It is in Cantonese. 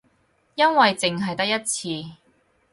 因為淨係得一次